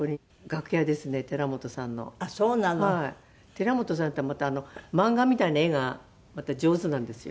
寺本さんってまた漫画みたいな絵が上手なんですよ。